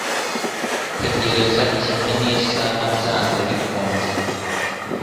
Tegereza kimwe nisaha byanze bikunze: -